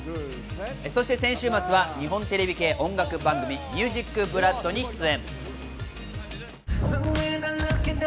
そして先週末は日本テレビ系音楽番組『ＭＵＳＩＣＢＬＯＯＤ』に出演。